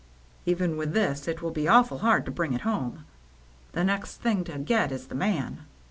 Even with this it will be awful hard to bring it home. The next thing to get is the man.